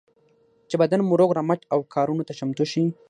چې بدن مو روغ رمټ او کارونو ته چمتو شي.